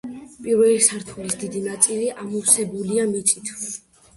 პირველი სართულის დიდი ნაწილი ამოვსებულია მიწით.